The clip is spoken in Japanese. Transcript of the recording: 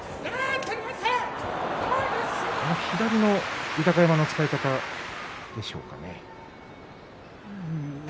この左の豊山の使い方でしょうかね。